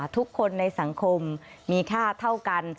ทุกคนในสังคมมีค่าเท่ากัน